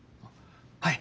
はい。